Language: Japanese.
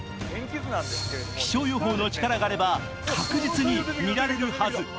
気象予報の力があれば確実に見られるはず。